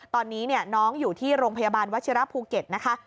ตอนนี้น้องอยู่ที่โรงพยาบาลวัชิระภูเก็ตนะคะ